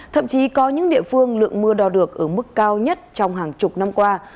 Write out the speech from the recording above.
thậm chí có những địa phương lượng mưa đo được ở mức cao nhất trong hàng chục năm qua